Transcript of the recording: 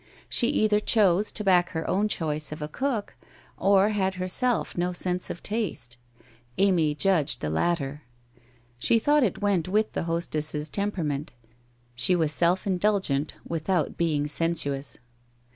She either chose to back her own choice of a cook, or had herself no sense of taste. Amy judged the latter. She thought it went with the hostess's temperament; she was self indul gent without being sensuous.